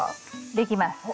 できます。